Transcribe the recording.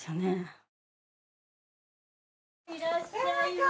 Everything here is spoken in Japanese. いらっしゃいませ。